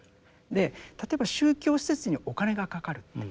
で例えば宗教施設にお金がかかるって。